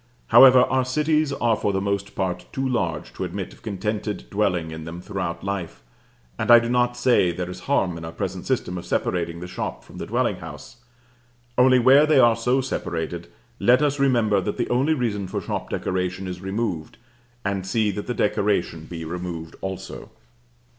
However, our cities are for the most part too large to admit of contented dwelling in them throughout life; and I do not say there is harm in our present system of separating the shop from the dwelling house; only where they are so separated, let us remember that the only reason for shop decoration is removed, and see that the decoration be removed also.